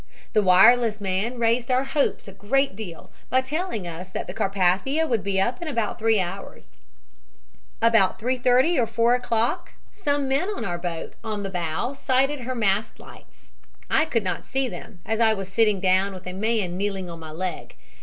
The wireless man raised our hopes a great deal by telling us that the Carpathia would be up in about three hours. About 3.30 or 4 o'clock some men on our boat on the bow sighted her mast lights. I could not see them, as I was sitting down with a man kneeling on my leg.